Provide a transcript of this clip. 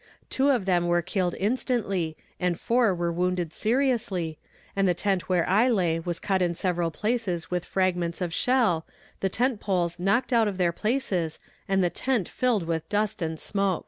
Two of them were killed instantly and four were wounded seriously, and the tent where I lay was cut in several places with fragments of shell, the tent poles knocked out of their places, and the tent filled with dust and smoke.